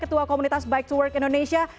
ketua komunitas bike to work indonesia